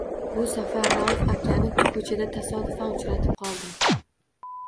Bu safar Rauf akani ko’chada tasodifan uchratib qoldim.